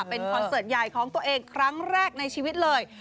เป็นคอนเสิร์ตใหญ่ของตัวเองครั้งแรกในชีวิตเลย